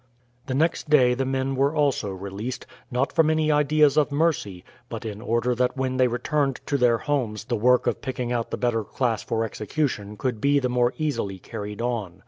The next day the men were also released; not from any ideas of mercy, but in order that when they returned to their homes the work of picking out the better class for execution could be the more easily carried on.